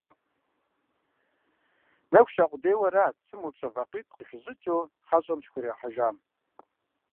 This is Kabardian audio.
Нэху ща къудейуэ арат цым упщӀэ вакъитӀ къыхищӀыкӀыу хьэщӀэм щыхуригъэхьыжам.